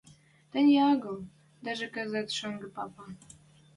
Тӹньӹ агыл, даже кӹзӹт шонгы папа